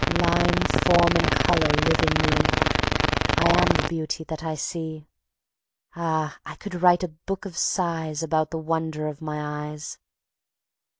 Line, form and color live in me; I am the Beauty that I see; Ah! I could write a book of size About the wonder of my Eyes.